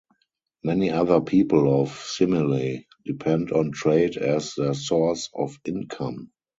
Many other people of Simele depend on trade as their source of income.